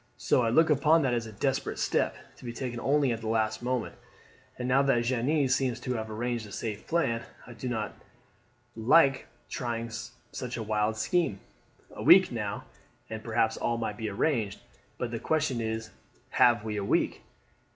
So I look upon that as a desperate step, to be taken only at the last moment. And now that Jeanne seems to have arranged a safe plan, I do not like trying such a wild scheme. A week now, and perhaps all might be arranged; but the question is Have we a week?